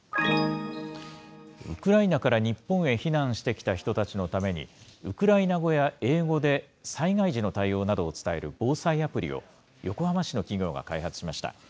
ウクライナから日本へ避難してきた人たちのために、ウクライナ語や英語で災害時の対応などを伝える防災アプリを、横浜市の企業が開発しました。